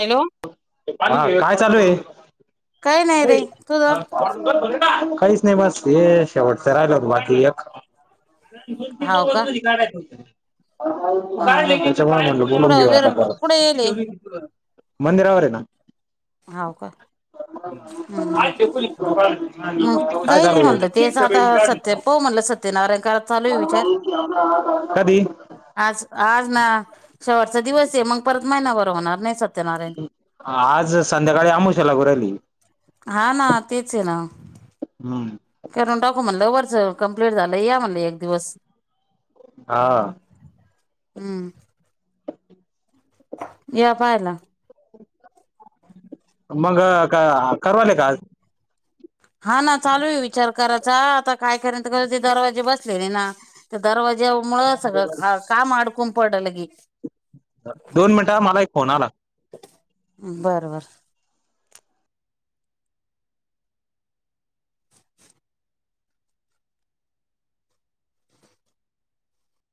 Hello हा काय चालू आहे? काही नाही रे तुझ काहीच नाही बस ते शेवटचं राहिल होत बाकी एक. [unintelligible] हाव का हेव्यामुळे हा हा म्हणलं बोलून कुठं घेऊ वेर आता कुठे येले परत मंदिरावर आहे ना. हाव का? हम्म मग काय काही नाही चालू म्हणलं तेच आहे? आता सत्य प म्हणलं सत ते नाराय काळात चालूय विचार कधी आज आज ना शेवटचा दिवस आहे मग परत महिनाभर होणार नाही सत्यनारायण आज संध्याकाळी आमो आमोश्या लगोराहिली. हा ना तेच आहे ना. हम्म. कारण डॉकू म्हटलं वरच कंप्लीट झालं या म्हटले एक दिवस. हा. हम्म. या पाहायला. मग का करवाले का आज? हा ना चालू आहे विचार करायचा आता काय करेयंत क ते दरवाजे बसलेले ना. ते दरवाज्या मुळं सगळं काम अडकून पडल गी. दोन मिनिटा मला एक फोन आला. बरं बरं.